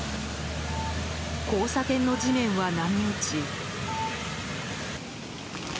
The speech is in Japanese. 交差点の地面は波打ち。